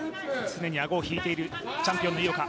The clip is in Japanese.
常に顎を引いているチャンピオンの井岡。